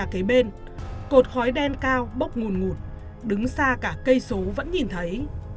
nhà kế bên cột khói đen cao bốc ngùn ngùn đứng xa cả cây số vẫn nhìn thấy